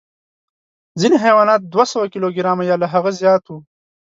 ځینې حیوانات دوه سوه کیلو ګرامه یا له هغه زیات وو.